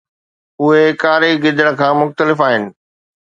اهي ڪاري گدڙ کان مختلف آهن